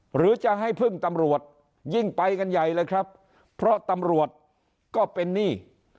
หรือจะให้พึ่งตำรวจยิ่งไปกันใหญ่เลยครับเพราะตำรวจก็เป็นหนี้